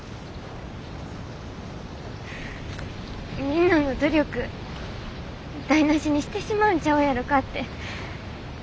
みんなの努力台なしにしてしまうんちゃうやろかって。